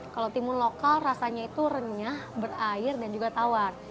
kalau timun lokal rasanya itu renyah berair dan juga tawar